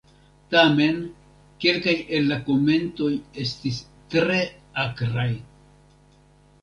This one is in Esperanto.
Tamen kelkaj el la komentoj estis tre akraj.